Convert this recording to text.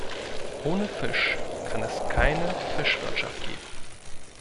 Ohne Fisch kann es keine Fischwirtschaft geben.